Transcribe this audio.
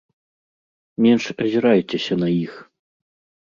Менш азірайцеся на іх.